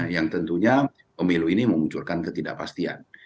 yang tentunya pemilu ini memunculkan ketidakpastian